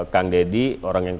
kang deddy orang yang